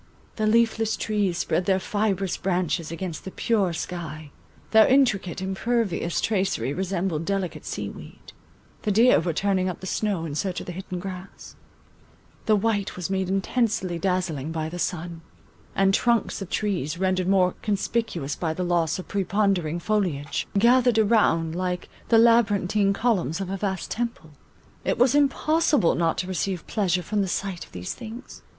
The leafless trees spread their fibrous branches against the pure sky; their intricate and pervious tracery resembled delicate sea weed; the deer were turning up the snow in search of the hidden grass; the white was made intensely dazzling by the sun, and trunks of the trees, rendered more conspicuous by the loss of preponderating foliage, gathered around like the labyrinthine columns of a vast temple; it was impossible not to receive pleasure from the sight of these things.